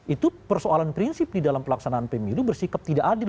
itu persoalan prinsip di dalam pelaksanaan pemilu bersikap tidak adil